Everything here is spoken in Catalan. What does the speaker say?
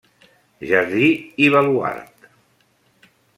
Jardí i baluard.